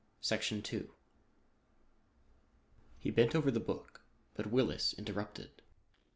He bent over the book, but Willis interrupted.